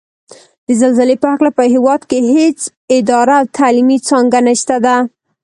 د زلزلې په هکله په هېواد کې هېڅ اداره او تعلیمي څانګه نشته ده